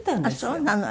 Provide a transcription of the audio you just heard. あっそうなの。